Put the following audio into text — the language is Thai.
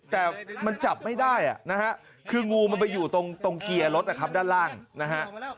แต่มันจับไม่ได้นะฮะคืองูมันไปอยู่ตรงเกียร์รถนะครับด้านล่างนะฮะ